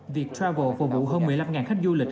việc travel phục vụ hơn một mươi năm khách du lịch